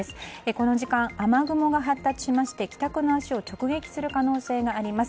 この時間雨雲が発達しまして帰宅の時間に直撃する恐れがあります。